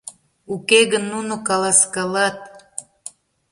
- Уке гын нуно каласкалат...